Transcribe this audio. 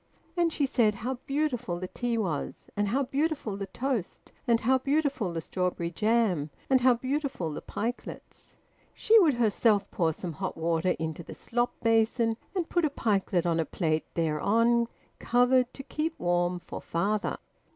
And she said how beautiful the tea was, and how beautiful the toast, and how beautiful the strawberry jam, and how beautiful the pikelets. She would herself pour some hot water into the slop basin, and put a pikelet on a plate thereon, covered, to keep warm for father.